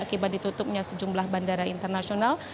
akibat ditutupnya sejumlah bandara internasional